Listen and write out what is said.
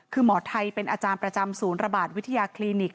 คือหมอไทยเป็นอาจารย์ประจำศูนย์ระบาดวิทยาคลินิก